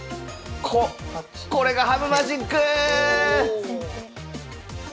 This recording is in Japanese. ここれが羽生マジック！